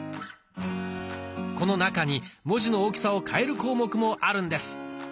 この中に文字の大きさを変える項目もあるんです。